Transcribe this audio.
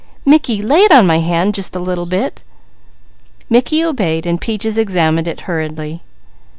"Mickey, lay it in my hand, just a little bit!" Mickey obeyed while Peaches examined it hurriedly.